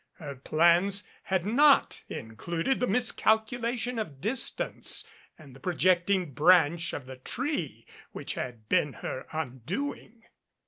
Her plans had not included the miscalculation of distance and the projecting branch of the tree which had been her undoing.